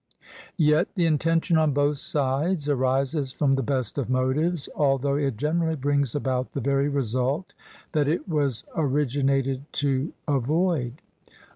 Yet the intention on both sides arises from the best of motives, although it generally brings about the very result that it was originated to avoid.